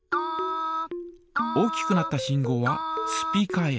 大きくなった信号はスピーカーへ。